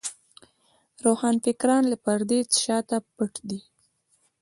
روښانفکران له پردې شاته پټ دي.